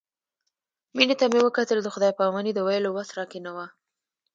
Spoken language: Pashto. مينې ته مې وکتل د خداى پاماني د ويلو وس راکښې نه و.